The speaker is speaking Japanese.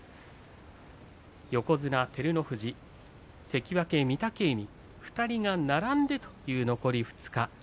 横綱照ノ富士、関脇御嶽海２人が並んでという残り２日。